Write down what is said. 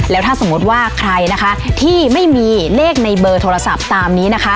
แล้วถ้าสมมติว่าใครนะคะที่ไม่มีเลขในเบอร์โทรศัพท์ตามนี้นะคะ